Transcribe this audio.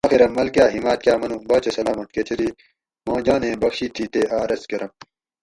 آخرہ ملکہ ہمت کاۤ منو باچہ سلامت کۤہ چری ما جانہ بخشی تھی تے ا عرض کۤرم